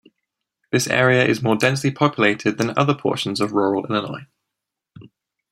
This area is more densely populated than other portions of rural Illinois.